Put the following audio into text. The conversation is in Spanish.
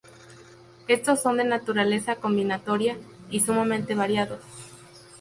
Estos son de naturaleza combinatoria, y sumamente variados.